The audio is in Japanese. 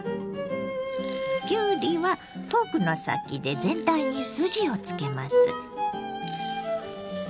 きゅうりはフォークの先で全体に筋をつけます。